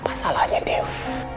apa salahnya dewi